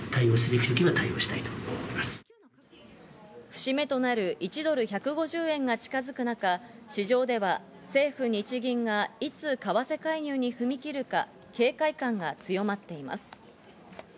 節目となる１ドル＝１５０円が近づく中、市場では政府・日銀がいつ為替介入に踏み切るか警戒感が強まっています。